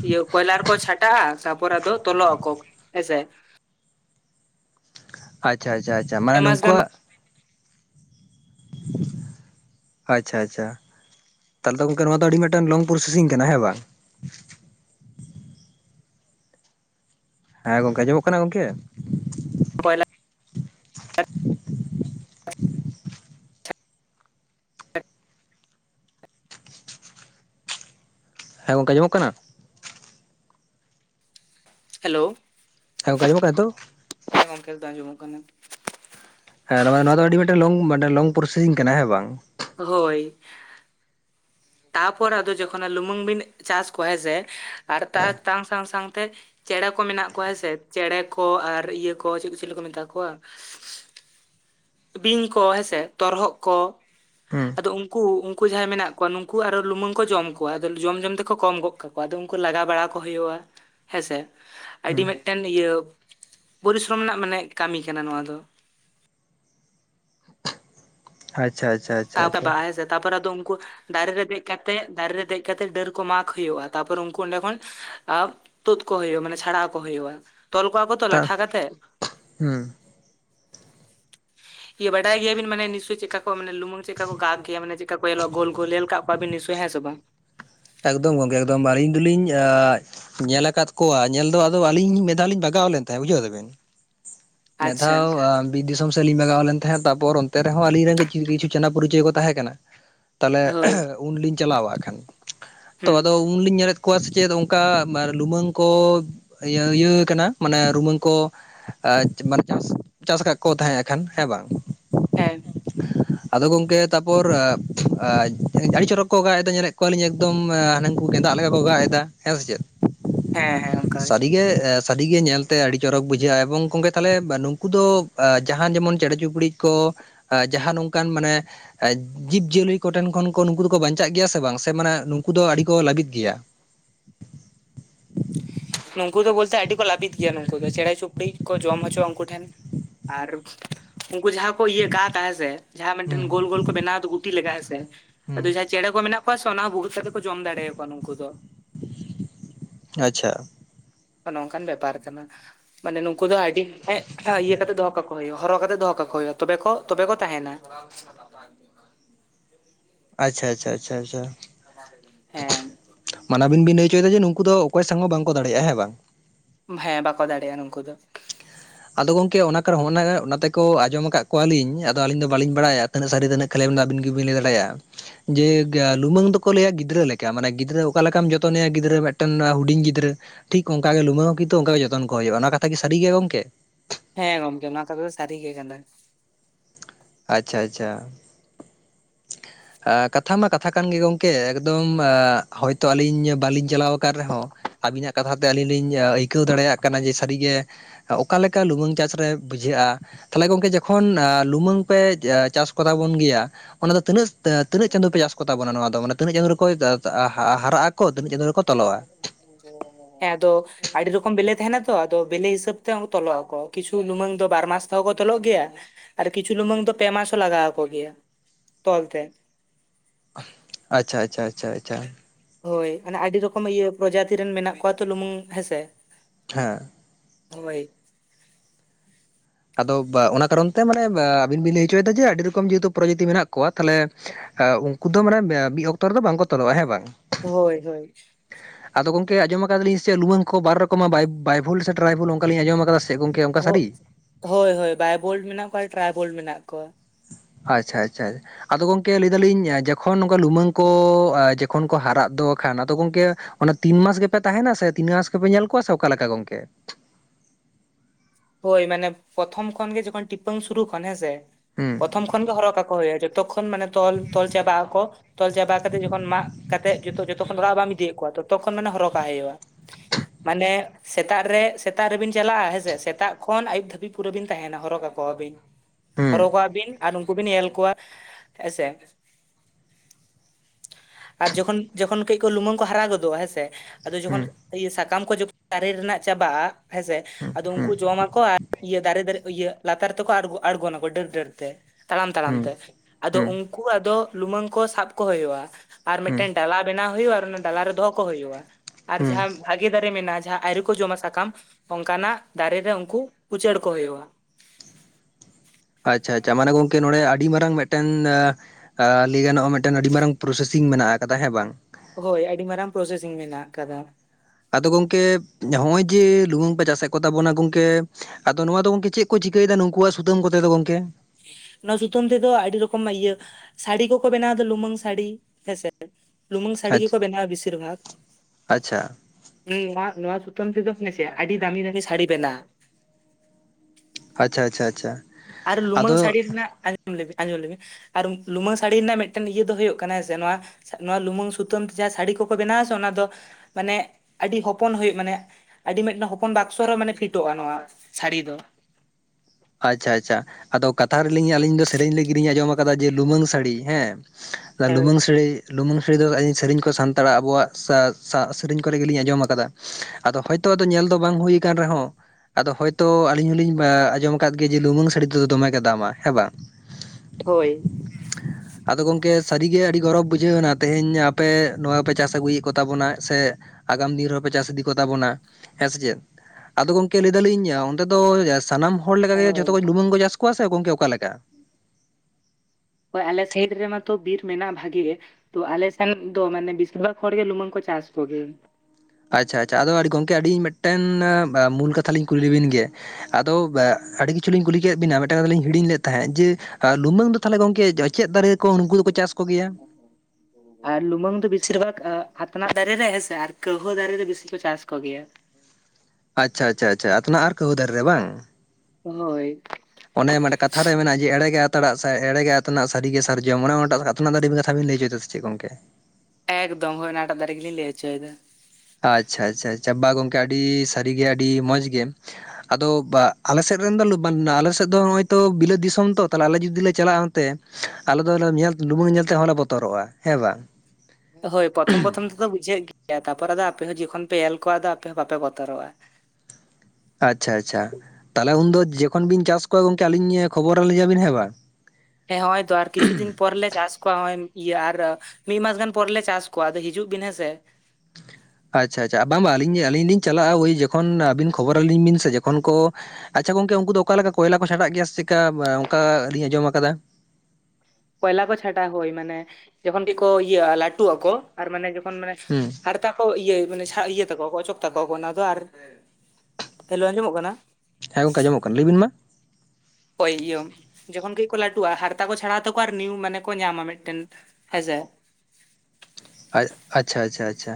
ᱤᱭᱟᱹ ᱠᱚᱭᱞᱟᱨ ᱠᱚ ᱪᱷᱟᱴᱟᱜᱼᱟ ᱛᱟᱯᱚᱨ ᱟᱫᱚ ᱛᱚᱞᱚᱜ ᱟᱠᱚ ᱦᱮᱸᱥᱮ ᱾ ᱟᱪᱪᱷᱟ ᱟᱪᱪᱷᱟ ᱟᱪᱪᱷᱟ ᱯᱮ ᱢᱟᱱᱮ ᱢᱟᱥ ᱜᱟᱱ ᱱᱩᱠᱩᱣᱟᱜ ᱟᱪᱪᱷᱟ ᱟᱪᱪᱷᱟ ᱛᱟᱞᱮ ᱛᱚ ᱱᱚᱣᱟ ᱫᱚ ᱜᱚᱢᱠᱮ ᱱᱚᱣᱟ ᱫᱚ ᱟᱹᱰᱤ ᱢᱤᱫᱴᱟᱝ ᱞᱚᱝ ᱯᱨᱚᱥᱮᱥᱤᱝ ᱠᱟᱱᱟ ᱦᱮᱸ ᱵᱟ ᱦᱮᱸ ᱜᱚᱝᱠᱮ ᱟᱸᱚᱢᱚᱜ ᱠᱟᱱᱟ ᱜᱚᱝᱠᱮ? [unintelligible] ᱦᱮᱸ ᱜᱚᱝᱠᱮ ᱧᱟᱢᱚᱜ ᱠᱟᱱᱟ? ᱦᱮᱞᱳ ᱦᱮᱸ ᱜᱚᱢᱠᱮ ᱟᱸᱡᱚᱢᱚᱜ ᱠᱟᱱᱟ ᱱᱤᱛᱚᱜ? ᱦᱮᱸ ᱜᱚᱝᱠᱮ ᱟᱸᱡᱚᱢᱚᱜ ᱠᱟᱱᱟ᱾ ᱦᱮᱸ ᱱᱚᱣᱟ ᱫᱚ ᱟᱹᱰᱤ ᱢᱤᱫᱴᱮᱱ ᱞᱚᱝ ᱢᱟᱱᱮ ᱞᱚᱝ ᱯᱨᱚᱥᱮᱥᱤᱝ ᱠᱟᱱᱟ ᱦᱮᱸ ᱵᱟᱝ? ᱦᱳᱭ ᱛᱟᱯᱚᱨ ᱟᱫᱚ ᱡᱚᱠᱷᱚᱱ ᱞᱩᱢᱩᱝ ᱵᱤᱱ ᱪᱟᱥ ᱠᱚᱣᱟ ᱦᱮᱸᱥᱮ ᱟᱨ ᱦᱮᱸ ᱛᱟᱨ ᱛᱟᱝ ᱥᱟᱶᱝ ᱥᱟᱶᱝ ᱪᱮᱬᱮ ᱠᱚ ᱢᱮᱱᱟᱜ ᱠᱚᱣᱟ ᱦᱮᱸᱥᱮ ᱪᱮᱬᱮ ᱠᱚ ᱟᱨ ᱤᱭᱟᱹ ᱠᱚ ᱪᱤᱞᱤ ᱪᱤᱞᱤ ᱠᱚ ᱢᱮᱛᱟ ᱠᱚᱣᱟ ᱾ ᱵᱤᱧ ᱠᱚ ᱦᱮᱸᱥᱮ ᱛᱚᱨᱦᱚᱫ ᱠᱚ᱾ ᱦᱩᱸ ᱟᱫᱚ ᱩᱱᱠᱩ ᱩᱱᱠᱩ ᱡᱟᱦᱟᱸᱭ ᱢᱮᱱᱟᱜ ᱠᱚᱣᱟ ᱩᱱᱠᱩ ᱟᱫᱚ ᱞᱩᱢᱟᱹᱝ ᱠᱚ ᱡᱚᱢ ᱠᱚᱣᱟ ᱟᱫᱚ ᱡᱚᱢ ᱡᱚᱢ ᱛᱮᱠᱚ ᱠᱚᱢ ᱜᱚᱫ ᱠᱟᱠᱚᱣᱟ ᱟᱫᱚ ᱩᱱᱠᱩ ᱞᱟᱜᱟ ᱵᱟᱲᱟ ᱠᱚ ᱦᱳᱭᱳᱜᱼᱟ ᱾ ᱦᱮᱸᱥᱮ ᱟᱹᱰᱤ ᱦᱩᱸ ᱢᱮᱴᱮᱱ ᱤᱭᱟᱹ ᱯᱚᱨᱤᱥᱨᱚᱢ ᱨᱮᱱᱟᱜ ᱢᱟᱱᱮ ᱠᱟᱹᱢᱤ ᱠᱟᱱᱟ ᱱᱚᱣᱟ ᱫᱚ᱾ ᱟᱪᱪᱷᱟ ᱟᱪᱪᱷᱟ᱾ ᱟᱪᱪᱷᱟ [inaudible] ᱟᱪᱪᱷᱟ ᱵᱟᱦᱟᱭ ᱥᱮ ᱛᱟᱯᱚᱨ ᱟᱫᱚ ᱩᱱᱠᱩ ᱫᱟᱨᱮ ᱨᱮ ᱫᱮᱡ ᱠᱟᱛᱮ ᱮᱫ ᱫᱟᱨᱮ ᱨᱮ ᱫᱮᱡ ᱠᱟᱛᱮ ᱰᱟᱹᱨ ᱠᱚ ᱢᱟᱜᱽ ᱦᱩᱭᱩᱜᱼᱟ ᱾ ᱛᱟᱨᱯᱚᱨᱮ ᱩᱱᱠᱩ ᱚᱸᱰᱮ ᱠᱷᱚᱱ ᱟᱵ ᱛᱩᱫ ᱠᱚ ᱦᱳᱭᱳᱜᱼᱟ ᱢᱟᱱᱮ ᱪᱷᱟᱲᱟᱣ ᱟᱠᱚ ᱦᱳᱭᱳᱜᱼᱟ ᱾ ᱛᱚᱞ ᱠᱚᱣᱟ ᱠᱚ ᱛᱚ ᱛᱟ ᱞᱟᱴᱷᱟ ᱠᱟᱛᱮ᱾ ᱦᱩᱸ ᱤᱭᱟᱹ ᱵᱟᱰᱟᱭ ᱜᱮᱭᱟ ᱵᱤᱱ, ᱢᱟᱱᱮ ᱱᱤᱥᱳᱭ ᱪᱮᱫᱠᱟ ᱠᱚ ᱢᱟᱱᱮ ᱞᱩᱢᱩᱝ ᱪᱮᱜᱠᱟ ᱠᱚ ᱜᱟᱜ ᱜᱮᱭᱟ ᱢᱟᱱᱮ ᱪᱮᱜᱠᱟ ᱠᱚ ᱮᱞᱚᱜ ᱜᱳᱞ ᱜᱳᱞ ᱱᱮᱞ ᱠᱟᱜ ᱠᱚᱣᱟ ᱵᱤᱱ ᱱᱤᱥᱳᱭ ᱦᱮᱸ ᱥᱮ ᱵᱟᱝ ᱾ ᱮᱠᱫᱚᱢ ᱜᱚᱝᱠᱮ ᱮᱠᱫᱚᱢ ᱟᱹᱞᱤᱧ ᱫᱚᱞᱤᱧ ᱮᱮ ᱧᱮᱞ ᱟᱠᱟᱫ ᱠᱚᱣᱟ ᱧᱮᱞ ᱫᱚ ᱟᱫᱚ ᱟᱹᱞᱤᱧ ᱢᱤᱫ ᱫᱷᱟᱣ ᱞᱤᱧ ᱵᱟᱜᱟᱣ ᱞᱮᱱ ᱛᱟᱦᱮᱸᱫ ᱵᱩᱡᱷᱟᱹᱣ ᱫᱟᱵᱮᱱ᱾ [unintelligible] ᱢᱮᱫᱷᱟᱣ ᱵᱤᱨ ᱫᱤᱥᱚᱢ ᱥᱮᱫ ᱞᱤᱧ ᱵᱟᱜᱟᱣ ᱞᱮᱱ ᱛᱟᱦᱮᱸᱫ, ᱛᱟᱨᱯᱚᱨ ᱚᱱᱛᱮ ᱨᱮᱦᱚᱸ ᱟᱹᱞᱤᱧ ᱨᱮᱱ ᱠᱤᱪᱷᱩ ᱠᱤᱪᱷᱩ ᱪᱮᱱᱟ ᱯᱚᱨᱤᱪᱚᱭ ᱠᱚ ᱛᱟᱦᱮᱸ ᱠᱟᱱᱟ᱾ ᱛᱟᱦᱚᱞᱮ ᱦᱳᱭ ᱩᱱᱞᱤᱧ ᱪᱟᱞᱟᱣᱟ ᱦᱟᱸᱜ ᱠᱷᱟᱱ ᱛᱚ ᱦᱩᱸ ᱟᱫᱚ ᱩᱱᱞᱤᱧ ᱧᱮᱞᱮᱫ ᱠᱚᱣᱟ ᱥᱮ ᱪᱮᱫ ᱚᱱᱠᱟ ᱞᱩᱢᱟᱹᱝ ᱠᱚ, ᱤᱭᱟᱹ ᱤᱭᱟᱹ ᱠᱟᱱᱟ ᱢᱟᱱᱮ ᱨᱩᱢᱟᱹᱱ ᱠᱚ ᱢᱟᱱᱮ ᱪᱟᱥ ᱪᱟᱥ ᱠᱟᱫ ᱠᱚ ᱛᱟᱦᱮᱸᱫ ᱮᱱ ᱠᱷᱟᱱ ᱦᱮᱸ ᱵᱟᱝ᱾ ᱦᱮᱸ ᱟᱫᱚ ᱜᱚᱝᱠᱮ ᱛᱟᱯᱚᱨ ᱟᱹᱰᱤ ᱪᱚᱨᱚᱠ ᱠᱚ ᱧᱮᱞᱮᱫ [unintelligible] ᱠᱚᱣᱟᱞᱤᱧ ᱮᱠᱫᱚᱢ ᱦᱟᱱᱮ ᱜᱮᱸᱫᱟᱜ ᱞᱮᱠᱟ ᱠᱚ ᱜᱟᱜ ᱮᱫᱟ, ᱦᱮᱸ ᱥᱮ ᱪᱮᱫ? ᱦᱮᱸ ᱦᱮᱸ ᱚᱱᱠᱟ ᱜᱮ ᱥᱟᱹᱨᱤᱜᱮ ᱥᱟᱹᱨᱤᱜᱮ ᱧᱮᱞᱛᱮ ᱟᱹᱰᱤ ᱪᱚᱨᱚᱠ ᱵᱩᱡᱷᱟᱹᱜᱼᱟ, ᱮᱵᱚᱝ ᱜᱚᱝᱠᱮ ᱛᱟᱦᱚᱞᱮ ᱱᱩᱱᱠᱩ ᱫᱚ ᱡᱟᱦᱟᱸ ᱡᱮᱢᱚᱱ ᱪᱮᱸᱬᱮ ᱪᱩᱯᱲᱤ ᱠᱚ, ᱡᱟᱦᱟᱸ ᱱᱚᱝᱠᱟᱱ ᱢᱟᱱᱮ ᱡᱤᱵᱽ ᱡᱤᱭᱟᱹᱞᱤ ᱠᱚᱴᱷᱮᱱ ᱠᱷᱚᱱ ᱠᱚ ᱱᱩᱠᱩ ᱫᱚᱠᱚ ᱵᱟᱧᱪᱟᱜ ᱜᱮᱭᱟ ᱥᱮ ᱵᱟᱝ ᱥᱮ? ᱥᱮ ᱢᱟᱱᱮ ᱱᱩᱠᱩ ᱫᱚ ᱟᱹᱰᱤ ᱠᱚ ᱞᱟᱹᱵᱤᱫ ᱜᱮᱭᱟ, ᱱᱩᱠᱩ ᱫᱚ ᱵᱚᱞᱛᱮ ᱟᱹᱰᱤ ᱠᱚ ᱞᱟᱹᱵᱤᱛ ᱜᱮᱭᱟ ᱱᱩᱠᱩ ᱫᱚ ᱪᱮᱬᱮ ᱪᱩᱯᱲᱤ ᱠᱚ ᱡᱚᱢ ᱦᱚᱪᱚᱼᱟ ᱩᱝᱠᱩ ᱴᱷᱮᱱ᱾ ᱟᱨ ᱩᱜᱠᱩ ᱡᱟᱦᱟᱸ ᱠᱚ ᱤᱭᱟᱹ ᱠᱟ ᱛᱟᱦᱮᱸ ᱥᱮ, ᱡᱟᱦᱟᱸ ᱢᱤᱫᱴᱮᱱ ᱦᱩᱸ ᱜᱳᱞ ᱜᱳᱞ ᱠᱚ ᱵᱮᱱᱟᱣ ᱜᱩᱴᱤ ᱞᱮᱠᱟ ᱦᱮᱸᱥᱮ, ᱦᱩᱸ ᱟᱫᱚ ᱪᱮᱸᱬᱮ ᱠᱚ ᱢᱮᱱᱟᱜ ᱠᱚᱣᱟ ᱥᱮ ᱚᱱᱟ ᱦᱚᱸ ᱵᱷᱩᱜᱤ [unintelligible] ᱠᱟᱛᱮᱫ ᱠᱚ ᱡᱚᱢ ᱫᱟᱲᱮᱭ ᱟᱠᱚᱣᱟ ᱱᱩᱠᱩ ᱫᱚ᱾ ᱟᱪᱪᱷᱟ, ᱱᱚᱝᱠᱟᱱ ᱵᱮᱯᱟᱨ ᱠᱟᱱᱟ ᱢᱟᱱᱮ ᱱᱩᱠᱩ ᱫᱚ ᱟᱰᱤ ᱦᱮᱸ ᱤᱭᱟᱹ ᱠᱟᱛᱮ ᱫᱚᱦᱚ ᱠᱟᱠᱚ ᱦᱩᱭᱩᱜᱼᱟ ᱦᱚᱨᱚ ᱠᱟᱛᱮᱜ ᱫᱚᱦᱚ ᱠᱟᱠᱚ ᱦᱩᱭᱩᱜᱼᱟ ᱛᱚᱵᱮ ᱠᱚ ᱛᱚᱵᱮ ᱠᱚ ᱛᱟᱦᱮᱸᱱᱟ᱾ ᱟ [inaudible] ᱟᱪᱪᱷᱟ ᱟᱪᱪᱷᱟ ᱟᱪᱪᱷᱟ ᱟᱪᱪᱷᱟ, ᱦᱮᱸ, ᱢᱟᱱᱮ ᱟᱹᱵᱤᱱ ᱵᱤᱱ ᱞᱟᱹᱭ ᱦᱚᱪᱚᱭᱮᱫᱟ ᱡᱮ ᱱᱩᱠᱩ ᱫᱚ ᱚᱠᱚᱭ ᱥᱟᱝ ᱦᱚᱸ ᱵᱟᱝᱠᱚ ᱫᱟᱲᱮᱭᱟᱜᱼᱟ ᱦᱮᱸ ᱵᱟᱝ᱾ ᱦᱮᱸ ᱵᱟᱠᱚ ᱫᱟᱲᱮᱭᱟᱜᱼᱟ ᱱᱩᱠᱩ ᱫᱚ᱾ ᱟᱫᱚ ᱜᱚᱢᱠᱮ ᱚᱱᱟ ᱠᱟᱨ ᱦᱚᱸᱜ [unintelligible] ᱚᱱᱟ ᱛᱮᱠᱚ ᱟᱸᱡᱚᱢ ᱟᱠᱟᱫ ᱠᱚᱣᱟᱞᱤᱧ ᱟᱫᱚ ᱟᱹᱞᱤᱧ ᱫᱚ ᱵᱟᱹᱞᱤᱧ ᱵᱟᱲᱟᱭᱟ᱾ ᱛᱤᱱᱟᱹᱜ ᱥᱟᱹᱨᱤ ᱛᱤᱱᱟᱹᱜ ᱠᱷᱟᱹᱞᱤ ᱫᱚ [unintelligible] ᱟᱹᱵᱤᱱ ᱜᱮ ᱵᱤᱱ ᱞᱟᱹᱭ ᱫᱟᱲᱮᱭᱟᱜᱼᱟ᱾ ᱡᱮ ᱞᱩᱢᱟᱹᱝ ᱫᱚᱠᱚ ᱞᱟᱹᱭᱟ ᱜᱤᱫᱽᱨᱟᱹ ᱞᱮᱠᱟ ᱢᱟᱱᱮ ᱜᱤᱫᱽᱨᱟᱹ ᱚᱠᱟ ᱞᱮᱠᱟᱢ ᱡᱚᱛᱚᱱᱮᱭᱟ ᱜᱤᱫᱽᱨᱟᱹ ᱢᱤᱫᱴᱮᱱ ᱦᱩᱰᱤᱧ ᱜᱤᱫᱽᱨᱟᱹ ᱴᱷᱤᱠ ᱚᱱᱠᱟ ᱜᱮ ᱞᱩᱢᱟᱹᱝ ᱦᱚᱸᱠᱤᱱᱛᱩ ᱚᱱᱠᱟ ᱜᱮ ᱡᱚᱛᱚᱱ ᱠᱚ ᱦᱩᱭᱩᱜᱼᱟ᱾ ᱚᱱᱟ ᱠᱟᱛᱷᱟ ᱠᱤ ᱥᱟᱹᱨᱤ ᱜᱮ ᱜᱚᱝᱠᱮ? ᱦᱮᱸ ᱜᱚᱝᱠᱮ ᱱᱚᱣᱟ ᱠᱚ ᱫᱚ ᱥᱟᱹᱨᱤ ᱜᱮ ᱠᱟᱱᱟ᱾ ᱟᱪᱪᱷᱟ ᱟᱪᱪᱷᱟ, ᱠᱟᱛᱷᱟ ᱢᱟ ᱠᱟᱛᱷᱟ ᱠᱟᱱ ᱜᱮ ᱜᱚᱝᱠᱮ ᱮᱠᱫᱚᱢ ᱦᱚᱭᱛᱚ ᱟᱞᱤᱧ ᱵᱟᱞᱤᱧ ᱪᱟᱞᱟᱣ ᱟᱠᱟᱱ ᱨᱮᱦᱚᱸ ᱟᱵᱤᱱᱟᱜ ᱠᱟᱛᱷᱟ ᱛᱮ ᱟᱹᱞᱤᱧ ᱞᱤᱧ ᱟᱹᱭᱠᱟᱹᱣ ᱫᱟᱲᱮᱭᱟᱜ ᱠᱟᱱᱟ, ᱡᱮ ᱥᱟᱹᱨᱤᱜᱮ ᱚᱠᱟ ᱞᱮᱠᱟ ᱞᱩᱢᱟᱹᱝ ᱪᱟᱥ ᱨᱮ ᱵᱩᱡᱷᱟᱹᱜᱼᱟ᱾ ᱛᱟᱦᱚᱞᱮ ᱜᱚᱝᱠᱮ ᱡᱚᱠᱷᱚᱱ ᱞᱩᱢᱟᱹᱝ ᱯᱮ ᱪᱟᱥ ᱠᱚᱛᱟ ᱵᱚᱱ ᱜᱮᱭᱟ, ᱚᱱᱟ ᱫᱚ ᱛᱤᱱᱟᱹᱜ ᱛᱤᱱᱟᱹᱜ ᱪᱟᱸᱫᱳ ᱯᱮ ᱪᱟᱥ ᱠᱚᱛᱟ ᱵᱚᱱᱟ ᱱᱚᱣᱟ ᱫᱚ, ᱢᱟᱱᱮ ᱛᱤᱱᱟᱹᱜ ᱪᱟᱸᱫᱳ ᱨᱮᱠᱚ ᱦᱟᱨᱟᱜ ᱟᱠᱚ ᱛᱤᱱᱟᱹᱜ ᱪᱟᱸᱫᱳ ᱨᱮᱠᱚ ᱛᱚᱞᱚᱜᱼᱟ ᱦᱮᱸ ᱫᱚ [inaudible] ᱟᱹᱰᱤ ᱨᱚᱠᱚᱢ ᱵᱮᱞᱮ ᱛᱟᱦᱮᱸᱱᱟ ᱛᱚ, ᱟᱫᱚ ᱵᱮᱞᱮ ᱦᱤᱥᱟᱹᱵ ᱛᱮᱦᱚ ᱛᱚᱞᱚᱜ ᱟᱠᱚ, ᱠᱤᱪᱷᱩ ᱞᱩᱢᱟᱹᱝ ᱫᱚ ᱵᱟᱨ ᱢᱟᱥ ᱛᱮᱦᱚᱸ ᱠᱚ ᱛᱚᱞᱚᱜ ᱜᱮᱭᱟ, ᱟᱨ ᱠᱤᱪᱷᱩ ᱞᱩᱢᱟᱹᱝ ᱫᱚ ᱯᱮ ᱢᱟᱥ ᱦᱚᱸ ᱞᱟᱜᱟᱣ ᱟᱠᱚ ᱜᱮᱭᱟ ᱛᱚᱞ ᱛᱮ᱾ ᱟᱪᱪᱷᱟ ᱟᱪᱪᱷᱟ ᱟᱪᱪᱷᱟ ᱟᱪᱪᱷᱟ, ᱦᱳᱭ ᱚᱱᱟ ᱟᱹᱰᱤ ᱨᱚᱠᱚᱢ ᱤᱭᱟᱹ ᱯᱨᱚᱡᱟᱛᱤ ᱨᱮᱱ ᱢᱮᱱᱟᱜ ᱠᱚᱣᱟ ᱛᱚ ᱞᱩᱢᱟᱹᱝ ᱦᱮᱸᱥᱮ᱾ ᱦᱮᱸ, ᱦᱳᱭ, ᱟᱫᱚ ᱚᱱᱟ ᱠᱟᱨᱚᱱ ᱛᱮ ᱢᱟᱱᱮ ᱟᱹᱵᱤᱱ ᱵᱤᱱ ᱞᱟᱹᱭ ᱦᱚᱪᱚᱭᱮᱫᱟ ᱡᱮ ᱟᱹᱰᱤ ᱨᱚᱠᱚᱢ ᱡᱮᱦᱮᱛᱩ ᱯᱨᱚᱡᱟᱛᱤ ᱢᱮᱱᱟᱜ ᱠᱚᱣᱟ, ᱛᱟᱦᱚᱞᱮ ᱩᱱᱠᱩ ᱫᱚ ᱢᱟᱱᱮ ᱢᱤᱫ ᱚᱠᱛᱚ ᱨᱮᱫᱚ ᱵᱟᱝᱠᱚ ᱛᱚᱞᱚᱜᱼᱟ ᱦᱮᱸ ᱵᱟᱝ᱾ ᱦᱳᱭ ᱦᱳᱭ, ᱟᱫᱚ ᱜᱚᱝᱠᱮ ᱟᱸᱡᱚᱢ ᱠᱟᱫᱟᱹᱞᱤᱧ ᱥᱮᱫ ᱞᱩᱢᱟᱹᱝ ᱠᱚ ᱵᱟᱨ ᱨᱚᱠᱚᱢᱟᱜ ᱵᱟᱭᱵᱷᱳᱞ ᱥᱮ ᱴᱨᱟᱭᱵᱷᱳᱞ ᱚᱱᱠᱟᱞᱤᱧ ᱟᱸᱡᱚᱢ ᱠᱟᱫᱟ, ᱦ [inaudible] ᱦᱳᱭ ᱦᱳᱭ ᱵᱟᱭ ᱵᱳᱞᱴ ᱢᱮᱱᱟᱜ ᱠᱚᱣᱟ ᱴᱨᱟᱭ ᱵᱳᱞᱴ ᱢᱮᱱᱟᱜ ᱠᱚᱣᱟ᱾ ᱟᱪᱪᱷᱟ ᱟᱪᱪᱷᱟ, ᱟᱫᱚ ᱜᱚᱢᱠᱮ ᱞᱟᱹᱭ ᱫᱟᱞᱤᱧ ᱡᱚᱠᱷᱚᱱ ᱱᱚᱝᱠᱟ ᱞᱩᱢᱟᱹᱝ ᱠᱚ ᱡᱚᱠᱷᱚᱱ ᱠᱚ ᱦᱟᱨᱟᱜ ᱫᱚ ᱠᱷᱟᱱ ᱟᱫᱚ ᱜᱚᱢᱠᱮ ᱚᱱᱟ ᱛᱤᱱ ᱢᱟᱥ ᱜᱮᱯᱮ ᱛᱟᱦᱮᱱᱟ ᱥᱮ ᱛᱤᱱ ᱢᱟᱥ ᱜᱮᱯᱮ ᱧᱮᱞ ᱠᱚᱣᱟ ᱥᱮ ᱚᱠᱟ ᱞᱮᱠᱟ ᱜᱚᱝᱠᱮ ᱦᱳᱭ ᱢᱟᱱᱮ ᱯᱨᱚᱛᱷᱚᱢ ᱠᱷᱚᱱ ᱜᱮ ᱡᱚᱠᱷᱚᱱ ᱴᱤᱯᱟᱹᱝ ᱥᱩᱨᱩ ᱠᱷᱚᱱ ᱦᱮᱸᱥᱮ ᱦᱮᱸ ᱯᱨᱚᱛᱷᱚᱢ ᱠᱷᱚᱱ ᱜᱮ ᱦᱚᱨᱚ ᱠᱟᱠᱚ ᱦᱩᱭᱩᱜᱼᱟ ᱡᱚᱛᱚ ᱠᱷᱚᱱ ᱢᱟᱱᱮ ᱛᱚᱞ ᱛᱚᱞ ᱪᱟᱵᱟ ᱟᱠᱚ ᱛᱚᱞ ᱪᱟᱵᱟ ᱠᱟᱛᱮ ᱡᱚᱠᱷᱚᱱ ᱢᱟᱜ ᱠᱟᱛᱮᱫ ᱡᱚᱛᱚᱠᱷᱚᱱ ᱚᱲᱟᱜ ᱵᱟᱢ ᱤᱫᱤᱭᱮᱫ ᱠᱚᱣᱟ ᱛᱚᱛᱚᱠᱷᱚᱱ ᱢᱟᱱᱮ ᱦᱚᱨᱚ ᱠᱟᱜ ᱦᱩᱭᱩᱜᱼᱟ ᱢᱟᱱᱮ ᱥᱮᱛᱟᱜ ᱨᱮ ᱥᱮᱛᱟᱜ ᱨᱮᱵᱤᱱ ᱪᱟᱞᱟᱜᱼᱟ ᱦᱮᱸᱥᱮ ᱥᱮᱛᱟᱜ ᱠᱷᱚᱱ ᱟᱭᱩᱵ ᱫᱷᱟᱹᱵᱤᱡ ᱯᱩᱨᱟᱹ ᱵᱤᱱ ᱛᱟᱦᱮᱱᱟ ᱦᱚᱨᱚᱜ ᱠᱟᱠᱚᱣᱟᱵᱤᱱ ᱦᱩᱸ ᱦᱚᱨᱚᱠᱚᱣᱼᱟᱵᱤᱱ ᱟᱨ ᱩᱱᱠᱩ ᱵᱤᱱ ᱧᱮᱞ ᱠᱚᱣᱟ ᱦᱮᱸᱥᱮ ᱟᱨ ᱡᱚᱠᱷᱚᱱ ᱡᱚᱠᱷᱚᱱ ᱠᱟᱹᱡ ᱠᱚ ᱞᱩᱢᱟᱹᱝ ᱠᱚ ᱦᱟᱨᱟ ᱜᱚᱫᱚᱜᱼᱟ ᱦᱮᱸᱥᱮ ᱟᱫᱚ ᱡᱚᱠᱷᱚᱱ ᱦᱩᱸ ᱥᱟᱠᱟᱢ ᱠᱚ ᱡᱚᱠᱷᱚᱱ ᱫᱟᱨᱮ ᱨᱮᱱᱟᱜ ᱪᱟᱵᱟᱜᱼᱟ ᱦᱮᱸᱥᱮ ᱟᱫᱚ ᱦᱩᱸ ᱩᱱᱠᱩ ᱡᱚᱢᱟᱠᱚ ᱟᱨ ᱤᱭᱟᱹ ᱫᱟᱨᱮ ᱫᱟᱨᱮ ᱤᱭᱟᱹ ᱞᱟᱛᱟᱨ ᱛᱮᱠᱚᱜ ᱟᱬᱜᱚᱱᱟᱠᱚ ᱰᱟᱹᱨ ᱰᱟᱹᱨ ᱛᱮ᱾ ᱛᱟᱲᱟᱢ ᱛᱟᱲᱟᱢ ᱦᱩᱸ ᱛᱮ ᱟᱫᱚ ᱦᱩᱸ ᱩᱱᱠᱩ ᱟᱫᱚ ᱞᱩᱢᱟᱹᱝ ᱠᱚ ᱥᱟᱵ ᱠᱚ ᱦᱩᱭᱩᱜᱼᱟ᱾ ᱟᱨ ᱦᱩᱸ ᱢᱤᱫᱴᱮᱱ ᱰᱟᱞᱟ ᱵᱮᱱᱟᱣ ᱦᱩᱭᱩᱜᱭᱼᱟ ᱟᱨ ᱚᱱᱟ ᱰᱟᱞᱟ ᱨᱮ ᱫᱚᱦᱚ ᱠᱚ ᱦᱩᱭᱩᱜᱼᱟ ᱟᱨ ᱦᱩᱸ ᱡᱟᱦᱟᱸᱼᱼ ᱵᱷᱟᱜᱮ ᱫᱟᱨᱮ ᱢᱮᱱᱟᱜᱼᱟ ᱡᱟᱦᱟᱸ ᱟᱹᱨᱤ ᱠᱚ ᱡᱚᱢᱟ ᱥᱟᱠᱟᱢ ᱚᱱᱠᱟᱱᱟᱜ ᱫᱟᱨᱮ ᱨᱮ ᱩᱱᱠᱩ ᱩᱪᱟᱹᱲ ᱠᱚ ᱦᱩᱭᱩᱜᱼᱟ᱾ ᱟᱪᱪᱷᱟ ᱟᱪᱪᱷᱟ ᱢᱟᱱᱮ ᱜᱚᱝᱠᱮ ᱱᱚᱰᱮ ᱟᱹᱰᱤ ᱢᱟᱨᱟᱝ ᱢᱤᱫᱴᱮᱱᱼᱼ ᱞᱟᱹᱭ ᱜᱟᱱᱚᱜᱼᱟ ᱢᱤᱫᱴᱮᱱ ᱟᱹᱰᱤ ᱢᱟᱨᱟᱝ ᱯᱨᱚᱥᱮᱥᱤᱝ ᱢᱮᱱᱟᱜ ᱟᱠᱟᱫᱟ ᱦᱮᱸ ᱵᱟᱝ? ᱦᱳᱭ ᱟᱹᱰᱤ ᱢᱟᱨᱟᱝ ᱯᱨᱚᱥᱮᱥᱤᱝ ᱢᱮᱱᱟᱜ ᱟᱠᱟᱫᱟ᱾ ᱟᱫᱚ ᱜᱚᱝᱠᱮ ᱱᱚᱜᱼᱚᱭ ᱡᱮ ᱞᱩᱢᱳᱝ ᱯᱮ ᱪᱟᱥᱮᱫ ᱠᱚᱛᱟᱟᱵᱚᱱᱟ ᱜᱚᱝᱠᱮᱼᱼ ᱟᱫᱚ ᱱᱚᱣᱟ ᱫᱚ ᱜᱚᱝᱠᱮ ᱪᱮᱫ ᱠᱚ ᱪᱤᱠᱟᱹᱭᱮᱫᱟ ᱱᱩᱠᱩᱣᱟᱜ ᱥᱩᱛᱟᱹᱢ ᱠᱚᱛᱮ ᱫᱚ ᱜᱚᱝᱠᱮ? ᱱᱚᱣᱟ ᱥᱩᱛᱟᱹᱢ ᱛᱮᱫᱚ ᱟᱹᱰᱤ ᱨᱚᱠᱚᱢ ᱤᱭᱟᱹ ᱥᱟᱹᱲᱤ ᱠᱚᱠᱚ ᱵᱮᱱᱟᱣᱫᱟ ᱞᱩᱢᱟᱹᱝ ᱥᱟᱹᱲᱤ ᱦᱮᱸᱥᱮᱼᱼ ᱞᱩᱢᱩᱝ ᱥᱟᱹᱲᱤ ᱟᱪᱪᱷᱟ ᱜᱮᱠᱚ ᱵᱮᱱᱟᱣᱟ ᱵᱮᱥᱤᱨ ᱵᱷᱟᱜᱽ᱾ ᱟᱪᱪᱷᱟ ᱱᱚᱣᱟ ᱱᱚᱣᱟ ᱥᱩᱛᱟᱢ ᱛᱮᱫᱚ ᱦᱮᱸᱥᱮ ᱟᱹᱰᱤ ᱫᱟᱢᱤ ᱫᱟᱢᱤ ᱥᱟᱹᱲᱤ ᱵᱮᱱᱟᱜᱼᱼ ᱟᱪᱪᱷᱟ ᱟᱪᱷᱟ ᱟᱪᱷᱟ᱾ ᱟᱨ ᱞᱩᱢᱟᱹᱝ ᱥᱟᱹᱲᱤ ᱨᱮᱱᱟᱜ ᱟᱸᱡᱚᱢ ᱞᱮ ᱟᱸᱡᱚᱢ ᱞᱮᱵᱤᱱᱼᱼ ᱟᱨ ᱞᱩᱢᱟᱹᱝ ᱥᱟᱹᱲᱤ ᱨᱮᱱᱟᱜ ᱢᱤᱫᱴᱮᱱ ᱤᱭᱟᱹ ᱫᱚ ᱦᱩᱭᱩᱜ ᱠᱟᱱᱟ ᱥᱮ ᱱᱚᱣᱟᱼᱼ ᱱᱚᱣᱟ ᱞᱩᱢᱟᱹᱝ ᱥᱩᱛᱟᱹᱢ ᱛᱮ ᱡᱟᱦᱟᱸ ᱥᱟᱹᱲᱤ ᱠᱚᱠᱚ ᱵᱮᱱᱟᱣ ᱟᱥᱮ ᱚᱱᱟ ᱫᱚ ᱢᱟᱱᱮ ᱟᱹᱰᱤ ᱦᱚᱯᱚᱱ ᱦᱩᱭᱩᱜ ᱢᱟᱱᱮᱼᱼ ᱟᱹᱰᱤ ᱢᱤᱫᱴᱟᱝ ᱦᱚᱯᱚᱱ ᱵᱟᱠᱥᱚ ᱨᱮ ᱦᱚᱸ ᱢᱟᱱᱮ ᱯᱷᱤᱴᱚᱜᱼᱟ ᱱᱚᱣᱟ ᱥᱟᱹᱲᱤ ᱫᱚ᱾ ᱟᱪᱪᱷᱟ ᱟᱪᱪᱷᱟ᱾ ᱟᱫᱚ ᱠᱟᱛᱷᱟ ᱨᱮᱞᱤᱧ ᱟᱹᱞᱤᱧ ᱫᱚ ᱥᱮᱨᱮᱧ ᱞᱟᱹᱜᱤᱫ ᱞᱤᱧ ᱟᱸᱡᱚᱢ ᱠᱟᱫᱟ ᱡᱮ ᱞᱩᱢᱟᱹᱝ ᱥᱟᱹᱲᱤ ᱦᱮᱸ ᱦᱳᱭ ᱞᱩᱢᱟᱹᱝ ᱥᱟᱹᱲᱤᱼᱼ ᱞᱩᱢᱟᱹᱝ ᱥᱟᱹᱲᱤ ᱫᱚᱞᱤᱧ ᱥᱮᱨᱮᱧ ᱠᱚ ᱥᱟᱱᱛᱟᱲᱟᱜ ᱟᱵᱚᱣᱟᱜ ᱥᱮᱨᱮᱧ ᱠᱚᱨᱮ ᱜᱮᱞᱤᱧ ᱟᱸᱡᱚᱢ ᱟᱠᱟᱫᱟ᱾ ᱟᱫᱚ ᱦᱳᱭᱛᱚ ᱟᱫᱚ ᱧᱮᱞ ᱫᱚ ᱵᱟᱝ ᱦᱩᱠᱟᱱ ᱨᱮᱦᱚᱸ ᱟᱫᱚ ᱦᱳᱭᱛᱳ ᱟᱞᱤᱧ ᱦᱚᱞᱤᱧ ᱟᱸᱡᱚᱢᱟᱼᱼ ᱠᱟᱫ ᱜᱮ ᱡᱮ ᱞᱩᱢᱟᱹᱝ ᱥᱟᱹᱲᱤ ᱛᱮᱫᱚ ᱫᱚᱢᱮ ᱜᱮ ᱫᱟᱢᱟ ᱦᱮᱸ ᱵᱟᱝ? ᱦᱳᱭᱼᱼ ᱟᱫᱚ ᱜᱚᱝᱠᱮ ᱥᱟᱹᱨᱤᱜᱮ ᱟᱹᱰᱤ ᱜᱚᱨᱚᱵᱽ ᱵᱩᱡᱷᱟᱹᱣ ᱮᱱᱟ ᱛᱮᱦᱮᱧ ᱟᱯᱮ ᱱᱚᱣᱟ ᱯᱮ ᱪᱟᱥ ᱟᱹᱜᱩᱭᱮᱫ ᱠᱚᱛᱟᱵᱚᱱᱟ ᱥᱮᱼᱼ ᱟᱜᱟᱢ ᱫᱤᱱ ᱨᱮᱦᱚᱸᱯᱮ ᱪᱟᱥ ᱤᱫᱤ ᱠᱚᱛᱟ ᱵᱚᱱᱟ ᱦᱮᱸ ᱥᱮ ᱪᱮᱫ? ᱟᱫᱚ ᱜᱚᱝᱠᱮ ᱞᱟᱹᱭ ᱫᱟᱞᱤᱧ ᱚᱱᱛᱮ ᱫᱚ ᱥᱟᱱᱟᱢ ᱦᱚᱲ ᱞᱮᱠᱟᱜᱮ ᱡᱷᱚᱛᱚ ᱞᱩᱢᱟᱹᱝ ᱠᱚ ᱪᱟᱥ ᱠᱚᱣᱟ ᱥᱮ ᱜᱚᱝᱠᱮ ᱚᱠᱟ ᱞᱮᱠᱟ? ᱦᱳᱭ ᱟᱞᱮ ᱥᱮᱫ ᱨᱮᱢᱟᱛᱚ ᱵᱤᱨ ᱢᱮᱱᱟᱜᱼᱟ ᱵᱷᱟᱜᱤ ᱜᱮ ᱛᱚ ᱟᱞᱮ ᱥᱮᱱ ᱫᱚ ᱢᱟᱱᱮ ᱵᱮᱥᱤᱨ ᱵᱷᱟᱜ ᱦᱚᱲᱜᱮ ᱞᱩᱢᱟᱹᱝ ᱠᱚ ᱪᱟᱥ ᱠᱚᱜᱮ ᱟᱪᱪᱷᱟ ᱟᱪᱪᱷᱟ ᱟᱫᱚ ᱟᱹᱰᱤ ᱜᱚᱢᱠᱮ ᱟᱹᱰᱤ ᱢᱤᱫᱴᱮᱱ ᱢᱩᱞ ᱠᱟᱛᱷᱟ ᱞᱤᱧ ᱠᱩᱞᱤ ᱞᱮᱵᱤᱱ ᱜᱮ? ᱟᱫᱚ ᱟᱹᱰᱤ ᱠᱤᱪᱷᱩᱞ ᱞᱤᱧ ᱠᱩᱞᱤ ᱠᱮᱫ ᱵᱤᱱᱟ ᱢᱤᱫᱴᱮᱱ ᱠᱟᱛᱷᱟ ᱞᱤᱧ ᱦᱤᱲᱤᱧ ᱞᱮᱫ ᱛᱟᱦᱮᱸᱫ ᱡᱮ? ᱟᱨ ᱞᱩᱢᱟᱹᱝ ᱫᱚ ᱛᱟᱦᱚᱞᱮ ᱜᱚᱝᱠᱮ ᱪᱮᱫ ᱫᱟᱨᱮ ᱠᱚ ᱩᱱᱩᱠᱩ ᱫᱚᱠᱚ ᱪᱟᱥ ᱠᱚᱜᱮᱭᱟ? [inaudible] ᱟᱨ ᱞᱩᱢᱟᱹᱝ ᱫᱚ ᱵᱤᱥᱤᱨ ᱵᱷᱟᱜᱽ ᱟᱛᱱᱟᱜ ᱫᱟᱨᱮ ᱨᱮ ᱦᱮᱸᱥᱮ ᱟᱨ ᱠᱟᱹᱦᱩᱟᱹ ᱫᱟᱨᱮ ᱨᱮ ᱵᱤᱥᱤ ᱠᱚ ᱪᱟᱥ ᱠᱚᱜᱮᱭᱟ᱾ ᱟᱪᱪᱷᱟ ᱟᱪᱪᱷᱟ ᱟᱛᱱᱟᱜ ᱟᱨ ᱠᱟᱹᱣᱦᱟᱹ ᱫᱟᱨᱮ ᱨᱮ ᱵᱟᱝ? ᱦᱳᱭ᱾ ᱚᱱᱮ ᱢᱟᱱᱮ ᱠᱟᱛᱷᱟ ᱨᱮ ᱢᱮᱱᱟᱜᱼᱟ ᱮᱲᱮ ᱜᱮ ᱟᱛᱱᱟᱜ ᱮᱲᱜᱮ ᱟᱛᱱᱟᱜ ᱥᱟᱹᱨᱤᱮ ᱥᱟᱨᱡᱚᱢ ᱚᱱᱮᱚᱱᱴᱟᱜ ᱠᱟᱛᱱᱟᱜ ᱫᱮ ᱠᱟᱛᱷᱟ ᱵᱤᱱ ᱞᱟᱹᱭ ᱪᱚᱭᱮᱫᱟ ᱟᱥᱮᱼᱼ ᱪᱮᱫ ᱜᱚᱝᱠᱮ? ᱮᱠᱫᱚᱢ ᱦᱳᱭ ᱚᱱᱟᱴᱟᱜ ᱫᱟᱨᱮ ᱜᱮᱞᱤᱧ ᱞᱟᱹᱭ ᱦᱚᱪᱚ ᱭᱮᱫᱟ ᱟᱪᱪᱷᱟ ᱟᱪᱪᱷᱟ ᱟᱪᱪᱷᱟ ᱵᱟ ᱜᱚᱝᱠᱮ ᱟᱹᱰᱤ ᱥᱟᱹᱨᱤ ᱜᱮ ᱟᱹᱰᱤ ᱢᱚᱸᱡᱽ ᱜᱮ ᱟᱫᱚ ᱟᱞᱮ ᱥᱮᱫ ᱨᱮᱱ ᱫᱚ ᱟᱞᱮ ᱥᱮᱫ ᱫᱚ ᱱᱚᱜᱼᱚᱭ ᱛᱚ ᱵᱤᱞᱟᱹᱫ ᱫᱤᱥᱚᱢ ᱛᱚ ᱛᱟᱦᱞᱮ ᱟᱞᱮ ᱡᱩᱫᱤ ᱞᱮ ᱪᱟᱞᱟᱜᱼᱟ ᱚᱱᱛᱮᱼᱼ ᱟᱞᱮ ᱫᱚ ᱧᱮᱞ ᱰᱩᱵᱟᱹᱝ ᱧᱮᱞ ᱛᱮᱦᱚᱸᱞᱮ ᱵᱚᱛᱚᱨᱚᱜᱼᱟ ᱦᱮᱸ ᱵᱟᱝ? ᱦᱳᱭ ᱯᱨᱚᱛᱷᱚᱢ ᱯᱨᱚᱛᱷᱚᱢ ᱛᱮᱫᱚ ᱵᱩᱡᱷᱟᱹᱜ ᱜᱮᱭᱟ ᱛᱟᱨᱯᱚᱨ ᱟᱫᱚ ᱟᱯᱮ ᱦᱚᱸ ᱡᱚᱠᱷᱚᱱ ᱯᱮ ᱮᱞ ᱠᱚᱣᱟ ᱟᱫᱚ ᱟᱯᱮ ᱦᱚᱸ ᱵᱟᱯᱮ ᱵᱚᱛᱚᱨᱚᱜᱼᱟ᱾ ᱟᱪᱪᱷᱟ ᱟᱪᱪᱷᱟ ᱛᱟᱦᱚᱞᱮ ᱩᱱᱫᱚ ᱡᱚᱠᱷᱚᱱ ᱵᱤᱱ ᱪᱟᱥ ᱠᱚᱣᱟ ᱜᱚᱝᱠᱮ ᱟᱹᱞᱤᱧ ᱠᱷᱚᱵᱚᱨ ᱟᱹᱞᱤᱧᱟ ᱵᱤᱱ ᱦᱮᱸ ᱵᱟᱝ? ᱦᱮᱸ ᱦᱚᱸᱜᱼᱚᱭ ᱛᱚ ᱟᱨ ᱠᱤᱪᱷᱩ ᱫᱤᱱ ᱯᱚᱨ ᱞᱮ ᱪᱟᱥ ᱠᱚᱣᱟᱜ ᱤᱭᱟᱹ ᱟᱨᱼᱼ ᱢᱤᱫ ᱢᱟᱥ ᱜᱟᱱ ᱯᱚᱨᱮ ᱞᱮ ᱪᱟᱥ ᱠᱚᱣᱟ ᱟᱫᱚ ᱦᱤᱡᱩᱜ ᱵᱤᱱ ᱦᱮᱸᱥᱮ ᱟᱪᱪᱷᱟ ᱟᱪᱪᱷᱟ ᱵᱟᱝ ᱵᱟᱝ ᱟᱹᱞᱤᱧ ᱡᱮ ᱟᱹᱞᱤᱧ ᱞᱤᱧ ᱪᱟᱞᱟᱜᱼᱟ ᱦᱳᱭ ᱡᱚᱠᱷᱚᱱ ᱟᱹᱵᱤᱱ ᱠᱷᱚᱵᱚᱨ ᱟᱹᱞᱤᱧ ᱵᱤᱱ ᱥᱮ ᱡᱚᱠᱷᱚᱱ ᱠᱚ ᱟᱪᱪᱷᱟ ᱜᱚᱝᱠᱮ ᱩᱱᱠᱩ ᱫᱚ ᱚᱠᱟᱞᱮᱠᱟ ᱠᱚᱭᱞᱟ ᱠᱚ ᱪᱷᱟᱰᱟᱜ ᱜᱮᱭᱟ ᱪᱮᱠᱟ ᱚᱱᱠᱟᱞᱤᱧ ᱟᱸᱡᱚᱢ ᱟᱠᱟᱫᱟ᱾ ᱠᱚᱭᱞᱟ ᱠᱚ ᱪᱷᱟᱰᱟ ᱦᱳᱭ ᱢᱟᱱᱮ ᱡᱚᱠᱷᱚᱱ ᱜᱮᱠᱚ ᱤᱭᱟᱹᱜᱼᱟ ᱞᱟᱹᱴᱩᱜ ᱟᱠᱚ ᱟᱨ ᱢᱟᱱᱮ ᱡᱚᱠᱷᱚᱱ ᱢᱟᱱᱮ ᱦᱩᱸ ᱦᱟᱨᱛᱟ ᱠᱚ ᱤᱭᱟᱹ ᱢᱟᱱᱮ ᱪᱷᱟᱲᱟᱣ ᱤᱭᱟᱹ ᱛᱟᱠᱚᱣᱟ ᱠᱚ ᱚᱪᱚᱠ ᱛᱟᱠᱚᱣᱟ ᱠᱚ ᱚᱱᱟ ᱫᱚ ᱟᱨ ᱦᱮᱞᱳ ᱟᱸᱡᱚᱢᱚᱜ ᱠᱟᱱᱟ᱾ ᱦᱮᱸ ᱜᱚᱝᱠᱮ ᱟᱡᱚᱢᱚᱜ ᱠᱟᱱᱟ ᱞᱟᱹᱭᱵᱤᱱ ᱢᱟ ᱦᱳᱭ ᱤᱭᱟᱹ ᱡᱚᱠᱷᱚᱱ ᱜᱮᱠᱚ ᱞᱟᱹᱴᱩᱜᱼᱟ ᱦᱟᱨᱛᱟ ᱠᱚ ᱪᱷᱟᱲᱟ ᱛᱟᱠᱚ ᱟᱨ ᱱᱤᱭᱩ ᱢᱟᱱᱮ ᱠᱚ ᱧᱟᱢᱟ ᱢᱤᱫᱴᱮᱱ ᱦᱮᱸᱥᱮ ᱟᱪᱪᱷᱟ ᱟᱪᱪᱷᱟ ᱟᱪᱪᱷᱟ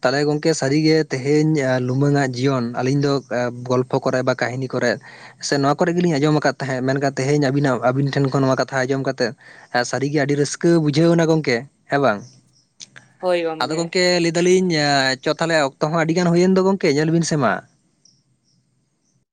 ᱛᱟᱦᱚᱞᱮ ᱜᱚᱝᱠᱮ ᱥᱟᱹᱨᱤᱜᱮ ᱛᱮᱦᱮᱧ ᱞᱩᱢᱟᱹᱝ ᱟᱜ ᱡᱤᱭᱚᱱ ᱟᱞᱤᱧ ᱫᱚ ᱜᱚᱞᱯᱚ ᱠᱚᱨᱮ ᱵᱟ ᱠᱟᱹᱦᱱᱤ ᱠᱚ ᱠᱚᱨᱮᱫ ᱥᱮ ᱱᱚᱣᱟ ᱠᱚᱨᱮ ᱜᱮᱞᱤᱧ ᱟᱸᱡᱚᱢ ᱟᱠᱟᱫ ᱛᱟᱦᱮᱸᱫ ᱢᱮᱱᱠᱷᱟᱱ ᱛᱮᱦᱤᱧ ᱟᱵᱤᱱᱟ ᱟᱵᱤᱱ ᱴᱷᱮᱱ ᱠᱷᱚᱱ ᱱᱚᱣᱟ ᱠᱟᱛᱷᱟ ᱟᱸᱡᱚᱢ ᱠᱟᱛᱮᱫ ᱦᱮᱸ ᱥᱟᱹᱨᱤ ᱜᱮ ᱟᱹᱰᱤ ᱨᱟᱹᱥᱠᱟᱹ ᱵᱩᱡᱷᱟᱹᱣ ᱮᱱᱟ ᱜᱚᱝᱠᱮ ᱦᱮᱸ ᱵᱟᱝ ᱦᱳᱭ ᱟᱫᱚ ᱜᱚᱢᱠᱮ ᱜᱚᱝᱠᱮ ᱞᱟᱹᱭ ᱫᱟᱞᱤᱧ ᱪᱚ ᱛᱟᱦᱞᱮ ᱚᱠᱛᱚ ᱦᱚᱸ ᱟᱹᱰᱤ ᱜᱟᱱ ᱦᱩᱭᱮᱱ ᱫᱚ ᱜᱚᱝᱠᱮ ᱧᱮᱞ ᱵᱤᱱ ᱥᱮ ᱢᱟ